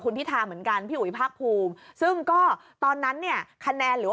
คุณพิธาเหมือนกันพี่อุ๋ยภาคภูมิซึ่งก็ตอนนั้นเนี่ยคะแนนหรือว่า